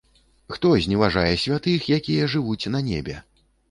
Хто зневажае святых, якія жывуць на небе?